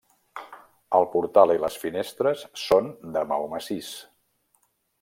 El portal i les finestres són de maó massís.